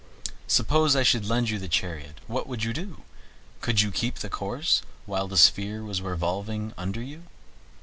Suppose I should lend you the chariot, what would you do? Could you keep your course while the sphere was revolving under you?